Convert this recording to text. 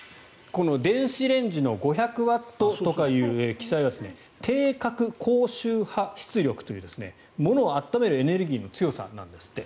この電子レンジの５００ワットとかいう記載は定格高周波出力というものを温めるエネルギーの強さなんですって。